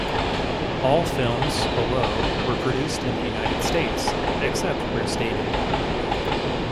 All films below were produced in the United States, except where stated.